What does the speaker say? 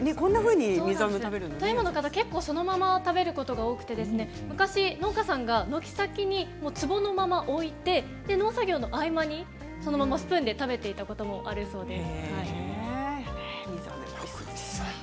富山の方はそのまま食べる方が多くて軒先につぼのまま置いて農作業の合間に、そのままスプーンで食べていたということもあるそうです。